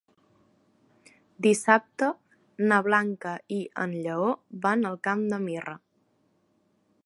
Dissabte na Blanca i en Lleó van al Camp de Mirra.